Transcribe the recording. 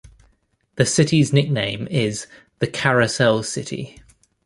The city's nickname is "The Carousel City".